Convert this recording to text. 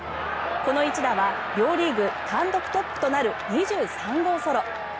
この一打は両リーグ単独トップとなる２３号ソロ。